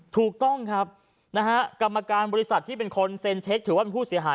ถูกต้องครับนะฮะกรรมการบริษัทที่เป็นคนเซ็นเช็คถือว่าเป็นผู้เสียหาย